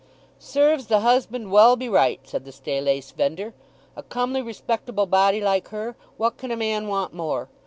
"Serves the husband well be right," said the staylace vendor. "A comely respectable body like her—what can a man want more?